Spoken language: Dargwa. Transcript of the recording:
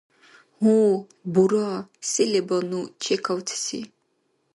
Гьу, бура, се леба ну чекавцеси?